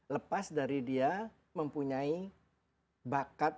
lepas dari dia mempunyai bakat